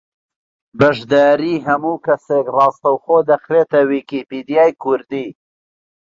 بەشداریی ھەموو کەسێک ڕاستەوخۆ دەخرێتە ویکیپیدیای کوردی